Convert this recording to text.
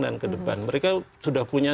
dan kedepan mereka sudah punya